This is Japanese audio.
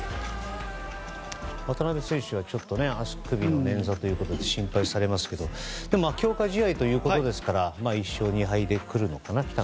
渡邉選手は足首の捻挫が心配されますけどでも強化試合ということですから１勝２敗で来たのかな。